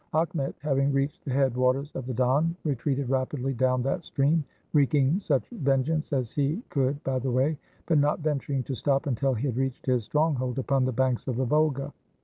Akhmet, having reached the head waters of the Don, retreated rapidly down that stream, wreaking such vengeance as he could by the way, but not venturing to stop until he had reached his stronghold upon the banks of the Volga.